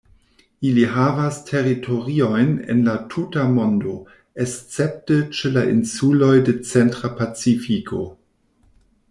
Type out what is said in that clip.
Ili havas teritoriojn en la tuta mondo, escepte ĉe la insuloj de centra Pacifiko.